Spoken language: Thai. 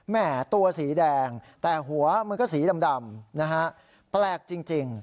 แม่ตัวสีแดงแต่หัวมันก็สีดำนะฮะแปลกจริง